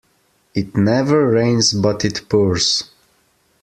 It never rains but it pours.